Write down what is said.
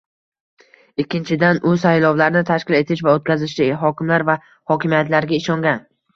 Ikkinchidan, u saylovlarni tashkil etish va o'tkazishda hokimlar va hokimiyatlarga ishongan